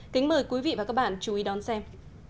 kính mời quý vị và các bạn chú ý đón xem